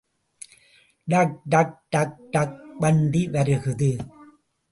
டக்டக் டக்டக் வண்டி வருகுது.